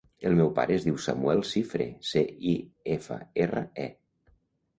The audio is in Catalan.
El meu pare es diu Samuel Cifre: ce, i, efa, erra, e.